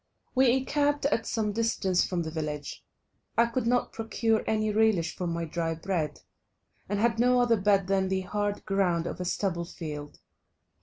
We encamped at some distance from the village; I could not procure any relish for my dry bread, and had no other bed than the hard ground of a stubble field.